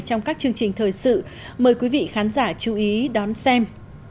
trong các chương trình thời sự mời quý vị khán giả chú ý đón xem